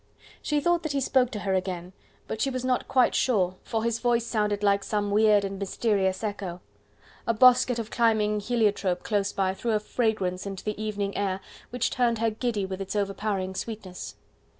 She thought that he spoke to her again, but she was not quite sure, for his voice sounded like some weird and mysterious echo. A bosquet of climbing heliotrope close by threw a fragrance into the evening air, which turned her giddy with its overpowering sweetness.